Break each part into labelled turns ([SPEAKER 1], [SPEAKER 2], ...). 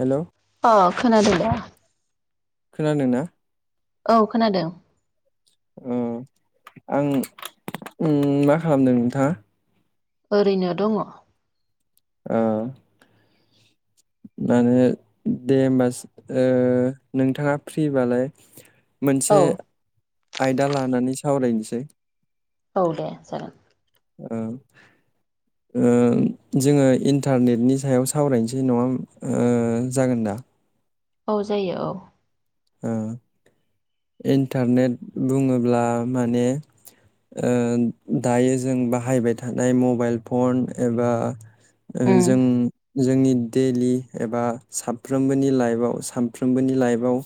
[SPEAKER 1] Hello
[SPEAKER 2] अ' खोनादों दा।
[SPEAKER 1] खोनादों ना?
[SPEAKER 2] औ खोनादों।
[SPEAKER 1] औ आं मा उम खालामदों नोंथाङा?
[SPEAKER 2] ओरैनो दङ।
[SPEAKER 1] ओ माने दे होमबा सि ओ नोंथाङा फ्रिबालाय।
[SPEAKER 2] औ
[SPEAKER 1] मोनसे। आयदा लानानै सावरायनोसै।
[SPEAKER 2] औ दे जागोन।
[SPEAKER 1] ओ जोङो इन्टारनेटनि सायाव सावरायनोसै नङा ओ जागोन दा।
[SPEAKER 2] औ जायो औ।
[SPEAKER 1] इन्टारनेट बुङोब्ला माने ओ दायो जों बाहायबाय थानाय मबाइल फन एबा। ओ
[SPEAKER 2] उम
[SPEAKER 1] जों। जोंनि डेलि एबा साफ्रोमबोनि लाइफआव सानफ्रोमबोनि लाइफआव।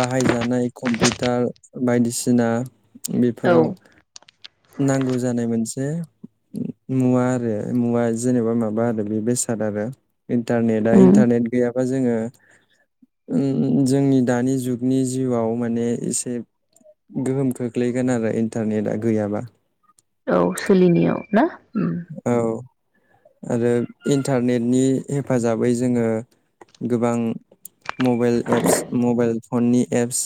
[SPEAKER 1] बाहायजानाय कम्पिउटार बायदिसिना।
[SPEAKER 2] औ
[SPEAKER 1] बेफोराव। नांगौ जानाय मोनसे मुवा आरो मुवा जेनेबा माबा आरो बे बेसाद आरो। इन्टारनेटा
[SPEAKER 2] उम
[SPEAKER 1] इन्टारनेट गैया अजोङो उम। जोंनि दानि जुगनि जिउआव माने एसे गोहोम खोख्लैगोन आरो इन्टारनेटआ गैयाबा।
[SPEAKER 2] औ सोलिनायाव। ना उम
[SPEAKER 1] औ। आरो इन्टारनेटनि हेफाजाबै जोङो गोबां। Mobile apps mobile.. फननि एप्स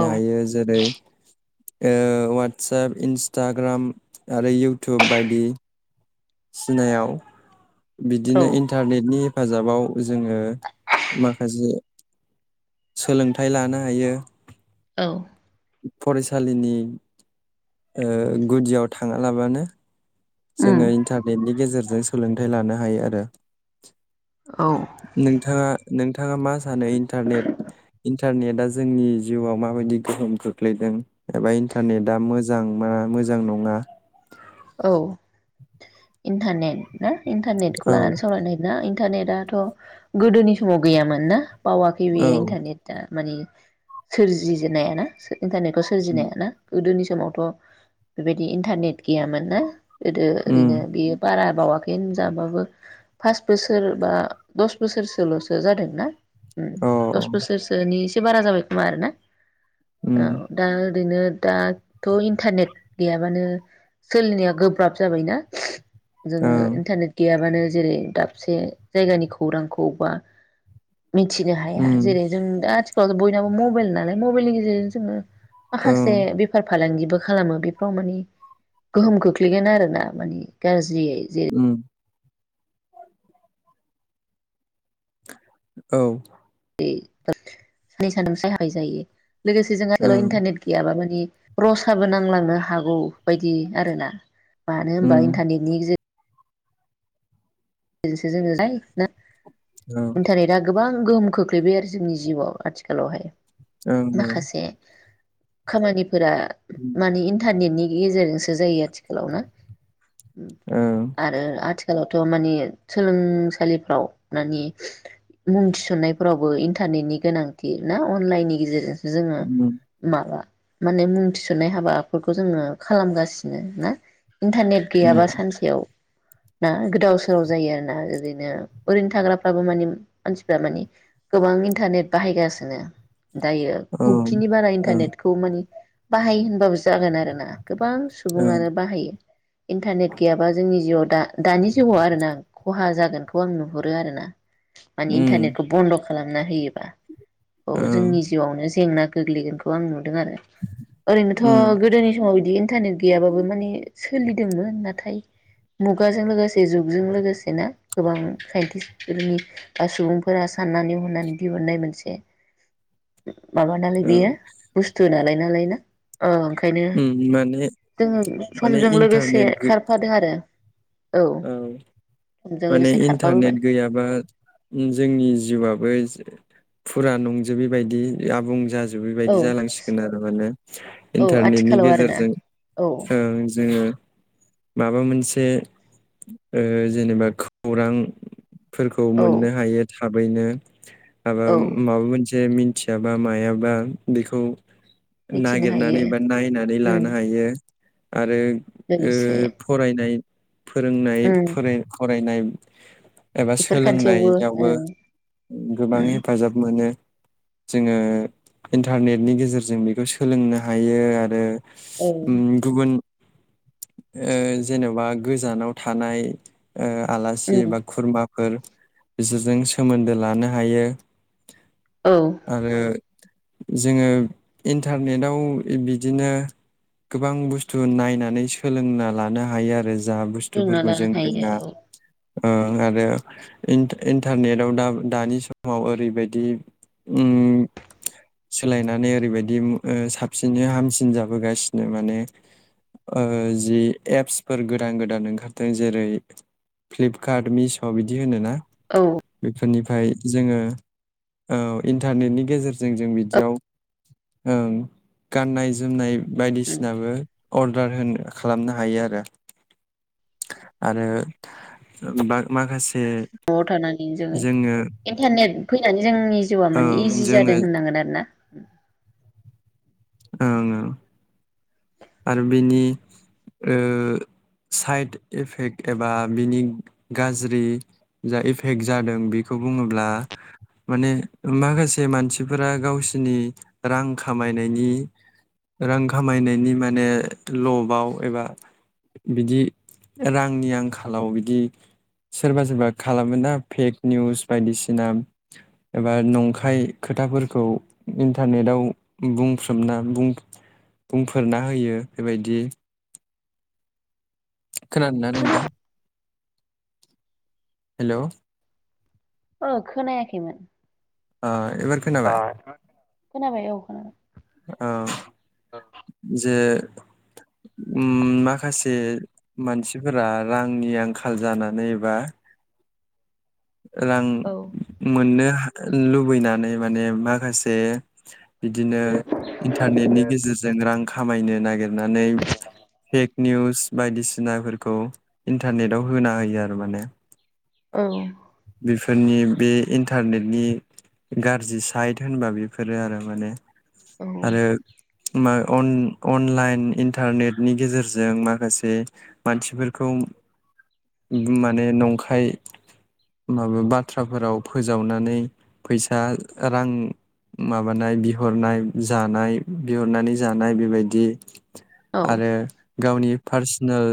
[SPEAKER 2] औ
[SPEAKER 1] हायो जेरै ओ वाटसाप इनसटाग्राम आरो इउटुब बायदि। सिनायाव
[SPEAKER 2] औ
[SPEAKER 1] बिदिनो इन्टारनेटनि। हेफाजाबाव। जोङो माखासे सोलोंथाइ लानो हायो।
[SPEAKER 2] औ
[SPEAKER 1] फरायसा सालिनि ओ गुदियाव थाङालाबानो।
[SPEAKER 2] उम
[SPEAKER 1] जोङो इन्टारनेटनि गेजेरजो जों सोलोंथाइ लानो हायो आरो।
[SPEAKER 2] औ
[SPEAKER 1] नों ओ थाङा नोंथाङा मा सानो इन्टारनेट इन्टारनेटआ जोंनि जिउआव माबायदि गोहोम खोख्लैदों एबा इन्टारनेटआ मोजां मा मोजां नङा।
[SPEAKER 2] औ इन्थानेन ना इन्टारनेटखौ
[SPEAKER 1] औ
[SPEAKER 2] लानानै सालरायनो नागिर ना। इन्टारनेटआथ गोदोनि समाव गैयामोन ना बावाखै
[SPEAKER 1] औ
[SPEAKER 2] बेयो इन्टारनेटआ माने सोरजिजेननाय ना इन्टारनेटखौ
[SPEAKER 1] उम
[SPEAKER 2] सोरजिनाया ना गोदोनि समावथ' बेबायदि इन्टारनेट गैयामोन ना गोदो
[SPEAKER 1] उम
[SPEAKER 2] ओरैनो बेयो बारा बावाखै होनजाबाबो पास बोसोर बा दस बोसोरसोल'सो जादोंना
[SPEAKER 1] अ
[SPEAKER 2] दस बोसोरसोनि एसे बारा जाबाय खोमा आरोना। औ
[SPEAKER 1] उम
[SPEAKER 2] दा ओरैनो दाथ' इन्टारनेट गैयाबानो सोलिनाया गोब्राब जाबायना जोङो
[SPEAKER 1] ओं
[SPEAKER 2] इन्टारनेट गैयाबानो जेरै दाबसे जायगानि खौरांखौ बा मिथिनो हाया
[SPEAKER 1] उम
[SPEAKER 2] जेरै जों दा बयनाबो मबाइल नालाय मबाइलनि गेजेरजों जोङो माखासे
[SPEAKER 1] ओं
[SPEAKER 2] बेफार फालांगि बो खालामो बेफ्राव माने गोहोम खोख्लैगोन आरो ना माने गाज [unintelligible]
[SPEAKER 1] उम औ
[SPEAKER 2] [unintelligible] लोगोसे जोंहा
[SPEAKER 1] ओं
[SPEAKER 2] इन्टारनेट गैयाबा माने रसाबो नांलांनो हागौ बायदि आरो ना मानो होनबा
[SPEAKER 1] उम
[SPEAKER 2] इन्टारनेटनि गेजेर बिदिनोसै जोङो नुयो
[SPEAKER 1] औ
[SPEAKER 2] आरो इन्टारनेटआ गोबां गोहोम खोख्लैबाय आरो जोंनि जिउआव आथिखालावहाय
[SPEAKER 1] ओं ओं
[SPEAKER 2] माखासे खामानि फोरा
[SPEAKER 1] उम
[SPEAKER 2] माने इन्टारनेटनि गेजेरजोंसो जायो आथिखालाव ना
[SPEAKER 1] ओं
[SPEAKER 2] आरो आथिखालाव द' मानि सोलोंसालिफ्राव मानि मुं थिसन्नायफोरावबो इन्टारनेटनि गोनांथि ना अनलाइननि गेजेरजों जोङो
[SPEAKER 1] उम
[SPEAKER 2] माबा माने मुं थिसननाय हाबाफोरखौ जोङो खालामगासिनो ना इन्टारनेट
[SPEAKER 1] उम
[SPEAKER 2] गैयाबा सानसेयाव ना गोदाव सोराव जायो आरोना ओरैनो ओरैनो थाग्राफ्राबो मान मानसिफ्रा मानि गोबां इन्टारनेट बाहायगासिनो दायो
[SPEAKER 1] ओं
[SPEAKER 2] खौथिनि बारा
[SPEAKER 1] ओं
[SPEAKER 2] इन्टारनेटखौ मानि बाहायो होनबो जागोन आरोना गोबां
[SPEAKER 1] ओं
[SPEAKER 2] सुबुङानो बाहायो इन्टारनेट गैयाबा जोंनि जिउआव दा दानि जुगआव आरोना खहा जागोनखौ आं नुहुरो आरोना माने
[SPEAKER 1] उम
[SPEAKER 2] इन्टारनेटखौ बन्द' खालामो ना होैयोबा औ
[SPEAKER 1] ओं
[SPEAKER 2] जोंनि जिउआवनो जेंना गोग्लैगोनखौ आं नु दों आरो ओरैनोथ'
[SPEAKER 1] उम
[SPEAKER 2] गोदोनि समाव बिदि इन्टारनेट गैयाबाबो माने सोलिदोंमोन नाथाय मुगाजों लोगोसे जुगजों लोगोसे ना गोबां साइन्टिस्फोरनि बा सुबुंफोरा साननानै हनानै दिहुननाय मोनसे माबा नालाय बेयो
[SPEAKER 1] ओं
[SPEAKER 2] बुस्थु नालाय नालाय ना ओ ओंखायनो
[SPEAKER 1] उम माने
[SPEAKER 2] जों
[SPEAKER 1] माने
[SPEAKER 2] समजों लोगोसे
[SPEAKER 1] इन्टारनेट गै
[SPEAKER 2] खारफादों आरो औ समजों
[SPEAKER 1] माने
[SPEAKER 2] लोगोसे
[SPEAKER 1] इन्टारनेट
[SPEAKER 2] खारफाबोबाय
[SPEAKER 1] गैयाबा जोंनि जिउआबो फुरा नंजोबि बायदि आबुं जाजो बेबादि
[SPEAKER 2] औ
[SPEAKER 1] जालांसिगोन आरो माने
[SPEAKER 2] औ
[SPEAKER 1] इन्टारनेटनि
[SPEAKER 2] आथिखालाव आरोना
[SPEAKER 1] गेजेरजों
[SPEAKER 2] औ
[SPEAKER 1] ओं जोङो माबा मोन से ओ जेनेबा खौरां फोरखौ
[SPEAKER 2] औ
[SPEAKER 1] मोननो हायो थाबैनो माबा
[SPEAKER 2] औ
[SPEAKER 1] माबा मोनसे थियाबा मायाबा बेखौ
[SPEAKER 2] मिथिनो हायो
[SPEAKER 1] नागिरनानै बा नायनानै
[SPEAKER 2] उम
[SPEAKER 1] लानो हायो। आरो ओ
[SPEAKER 2] लोगोसे
[SPEAKER 1] फरायनाय फोरोंनाय
[SPEAKER 2] उम
[SPEAKER 1] फोरै [unintelligible] बायनाय एबा
[SPEAKER 2] बेफोर खान्थियावबो
[SPEAKER 1] सोलोंनायावबो
[SPEAKER 2] उम
[SPEAKER 1] गोबां
[SPEAKER 2] उम
[SPEAKER 1] हेफाजाब मोनो जोङो इन्टारनेटनि गेजेरजों बेखौ सोलोंनो हायो आरो
[SPEAKER 2] औ
[SPEAKER 1] उम गुबुन ओ जेन'बा गोजानाव थानाय ओ आलासि
[SPEAKER 2] उम
[SPEAKER 1] बा खुरमा फोर बिसोरजों सोमोन्दो लानो हायो
[SPEAKER 2] औ
[SPEAKER 1] आरो जोङो इन्टारनेटाव बिदिनो गोबां बुस्थु नायनानै सोलोंना लानो हायो आरो जा
[SPEAKER 2] लोंना
[SPEAKER 1] बुस्थुफोरखौ
[SPEAKER 2] लानो
[SPEAKER 1] जों
[SPEAKER 2] हायो
[SPEAKER 1] रोङा
[SPEAKER 2] औ
[SPEAKER 1] ओ आरो इन्ट इन्टारनेटाव दा दानि समाव ओरैबायदि उम सोलायनानै ओरैबायदि ओ साबसिनै हामसिन जाबोगासिनो माने ओ जि एपसफोर गोदान गोदान ओं खारदों जेरै फ्लिपकार्ट, मिस' बिदि होनो ना
[SPEAKER 2] औ
[SPEAKER 1] बेफोरनिफ फ्राय जोङो औ इन्टारनेटनि गेजेरजों जों बिदियाव ओं गाननाय जोमनाय
[SPEAKER 2] उम
[SPEAKER 1] बायदिसिनाबो अर्डार होनो खालामनो हायो आरो आरो बाद माखासे
[SPEAKER 2] न'आव थानानै जोङो इन्टारनेट फैनानै जोंनि जिउआ
[SPEAKER 1] ओं
[SPEAKER 2] माने इजि
[SPEAKER 1] जोङो
[SPEAKER 2] जादों होननांगोन आरो ना
[SPEAKER 1] उम आरो बिनि ओ साइड इफेक्ट एबा बिनि गाज्रि जा इफेक्ट जादों बेखौ बुङोब्ला माने माखासे मानसिफोरा गावसिनि रां खामायनायनि रां खामायनायनि मान नो लबाव एबा बिदि रांनि आंखालाव बिदि सोरबा सोरबा खालामो ना फेक निउस बायदिसिना एबा नंखाय खोथाफोरखौ इन्टारनेटाव बुंफ्रोमना बुं बुंफोरना होयो बेबायदि खोनादोंना नोंथां हेल'
[SPEAKER 2] अ खोनायाखैमोन
[SPEAKER 1] आ एबार खोनाबाय
[SPEAKER 2] खोनाबाय औ खोनाबाय
[SPEAKER 1] औ जे उम माखासे जे मानसिफोरा रांनि आंखाल जानानै एबा रां
[SPEAKER 2] औ
[SPEAKER 1] मोननो हा लुबैनानै माने माखासे बिदिनो इन्टारनेटनि गेजेरजों रां खामायनो नागिरनानै फेक निउस बायदिसिनाफोरखौ इन्टारनेटाव होना होयो आरो माने
[SPEAKER 2] औ
[SPEAKER 1] बेफोरनि बे इन्टारनेटनि गारजि साइट होनबा बेफोरो आरो माने
[SPEAKER 2] औ
[SPEAKER 1] आरो मा अन अनलाइन इन्टारनेटनि गेजेरजों माखासे मानसिफोरखौ माने नंखाय माबा बाथ्राफोराव फोजावनानै फैसा रां माबानाय बिहरनाय जानाय बिहरनानै जानाय बेबायदि
[SPEAKER 2] औ
[SPEAKER 1] आरो गावनि पार्सोनेल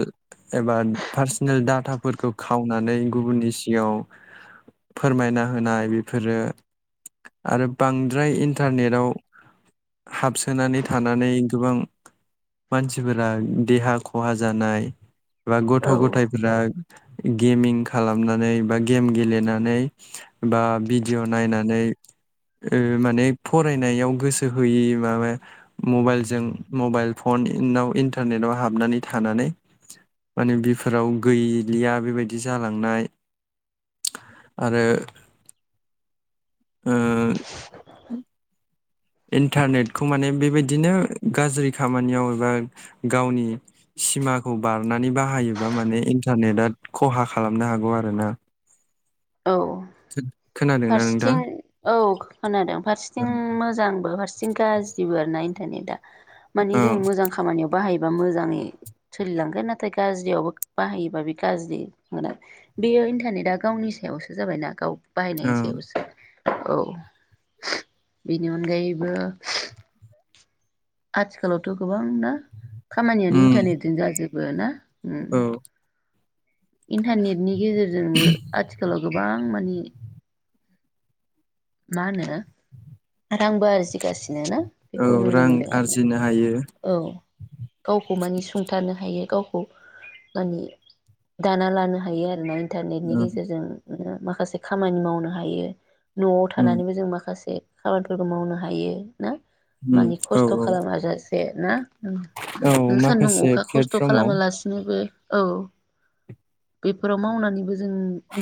[SPEAKER 1] एबा पार्सोनेल डाटाफोरखौ खावनानै गुबुननि सिगाङाव फोरमायना होनाय बेफोरो आरो बांद्राय इन्टारनेटाव हाबसोनानै थानानै गोबां मानसिफोरा देहा खहा जानाय बा गथ'
[SPEAKER 2] औ
[SPEAKER 1] गथायफोरा गेमिं खालामनानै बा गेम गेलेनानै बा भिडिअ' नायनानै ओ माने फरायनायाव गोसो होयि माबा मबाइलजों मबाइल फनाव इन्टारनेटाव हाबनानै थानानै माने बिफोराव गैलिया बेबायदि जालांनाय आरो ओ इन्टारनेटखौ माने बेबायदिनो गाज्रि खामानियाव एबा गावनि सिमाखौ बारनानै बाहायोबा माने इन्टारनेटआ खहा खालामनो हागौ आरोना
[SPEAKER 2] औ
[SPEAKER 1] खोनादोंना नोंथां
[SPEAKER 2] फारसेथिं औ खोनादों फारसेथिं मोजांबो फारसे थिंबो गाज्रिबो आरोना इन्टारनेटआ मानि
[SPEAKER 1] औ
[SPEAKER 2] जों मोजां खामानियाव बाहायोबा मोजाङै सोलिलांगोन नाथाय गाज्रियावबो बाहायोबा बे गाज्रिन आरो बेयो इन्टारनेटआ गावनि सायावसो जाबायना गाव
[SPEAKER 1] औ
[SPEAKER 2] बाहायनायनि सायावसो औ [unintelligible] बेनि अनगायैबो [unintelligible] आथिखालावथ' गोबां ना खामानियानो
[SPEAKER 1] उम
[SPEAKER 2] इन्टारनेटजों जाजोब बो ना उम
[SPEAKER 1] औ
[SPEAKER 2] इन्टारनेटनि गेजेरजोंबो आथिखालाव गोबां मानि मा होनो रांबो आरोजिगासि [inaudible]
[SPEAKER 1] औ
[SPEAKER 2] बेखौ नुनो
[SPEAKER 1] रां
[SPEAKER 2] मोनदों आरो ना
[SPEAKER 1] आरजिनो हायो
[SPEAKER 2] औ गावखौ मानि सुंथानो हायो गावखौ [inaudible] दाना लानो हायो आरोना नों इन्टारनेटनि
[SPEAKER 1] ओं
[SPEAKER 2] गेजेरजों माखासे खामानि मावनो हायो न'आव
[SPEAKER 1] उम
[SPEAKER 2] थानानैबो जों माखासे खामानिफोरखौ मावनो हायो ना
[SPEAKER 1] उम
[SPEAKER 2] मानिे
[SPEAKER 1] औ
[SPEAKER 2] खस्थ'
[SPEAKER 1] औ
[SPEAKER 2] खालामो आरो ज ना
[SPEAKER 1] औ
[SPEAKER 2] नों सान्दुं
[SPEAKER 1] माखासे
[SPEAKER 2] अखा खस्थ'
[SPEAKER 1] प्लेटफर्माव
[SPEAKER 2] खालामालासिनोबो औ बेफोराव मावनानैबो जों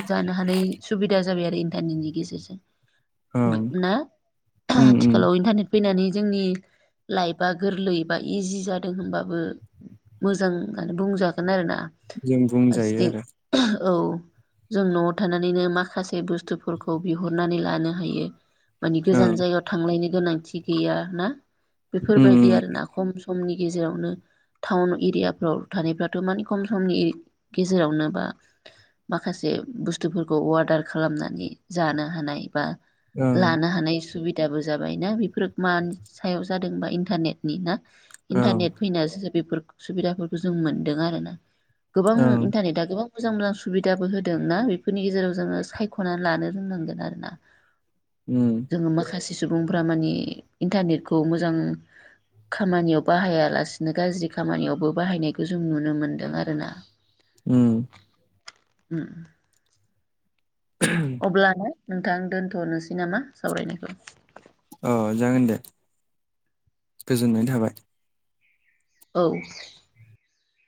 [SPEAKER 2] जानो हानाय सुबिदा जाबाय आरो इन्टारनेटनि गेजेरजों
[SPEAKER 1] ओं
[SPEAKER 2] ना
[SPEAKER 1] उम उम
[SPEAKER 2] आथिखालाव इन्टारनेट फैनानै जोंनि लाइफआ गोरलै बा इजि जादों होनबाबो मोजांानो बुंजागोन आरोोना
[SPEAKER 1] जों बुंजायो आरो
[SPEAKER 2] औ जों न'आव थानानैनो माखासे बुस्थुफोरखौ बिहर हुरनानै लानो हायो मानि गोजान
[SPEAKER 1] ओं
[SPEAKER 2] जायगायाव थांायनो गोनांथि गैय ना
[SPEAKER 1] उम
[SPEAKER 2] बेफोरबायदि
[SPEAKER 1] उम
[SPEAKER 2] आरो ना खम सम समनि गेजेरावनो टाउन एरियाफ्राव थानायफथ' मानि खम समनि गेजेरावनो बा माखासे बुस्थुफोरखौ अर्डार खालामनानै जानो हानाय बा
[SPEAKER 1] ओं
[SPEAKER 2] लानो हानाय सुबिदा सुबिदाबो जाबायनाा बेफोर मानि सायाव जादोंबा इन्टारनेटनि ना
[SPEAKER 1] औ
[SPEAKER 2] इन्टारनेट फैनासो बेफोरखौ सुबिदाफोरखौ जों मोन्दों आरोना गोबां
[SPEAKER 1] ओं
[SPEAKER 2] इन्टारनेटआ गोबां मोजां मोजां सुबिदाबो होदों ना बेफोरनि गेजेराव जोङो सायख'नानै लानो रोंनांगोन आरोना
[SPEAKER 1] उम
[SPEAKER 2] जोङो माखासे सुबुंफ्रा मानि इन्टारनेटखौ मोजां खामानियाव बाहायालासिनो गाज्रि खामानियावबो बाहायनायखौ जों नुनो मोन्दों आरो ना
[SPEAKER 1] उम
[SPEAKER 2] उम अब्लानो नोंथां दोनथ'नोसै नामा सावरायनायखौ
[SPEAKER 1] अ जागोन दे गोजोननाय थाबाय
[SPEAKER 2] औ